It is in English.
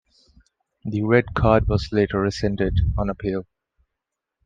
The red card was later rescinded on appeal.